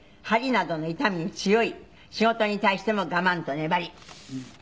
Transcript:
鍼などの痛みに強い」「仕事に対しても我慢と粘り」